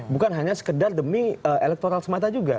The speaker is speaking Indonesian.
bukan hanya sekedar demi elektoral semata juga